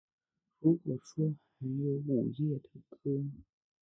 如果说还有午夜的歌